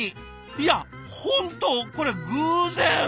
いや本当これ偶然。